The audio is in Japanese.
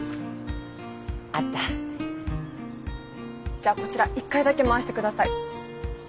じゃあこちら１回だけ回して下さい。